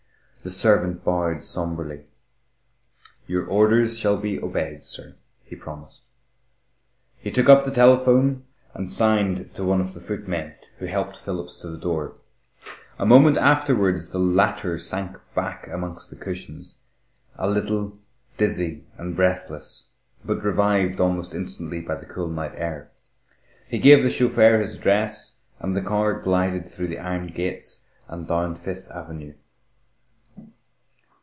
The servant bowed sombrely. "Your orders shall be obeyed, sir," he promised. He took up the telephone, and signed to one of the footmen, who helped Philip to the door. A moment afterwards the latter sank back amongst the cushions, a little dizzy and breathless, but revived almost instantly by the cool night air. He gave the chauffeur his address, and the car glided through the iron gates and down Fifth Avenue.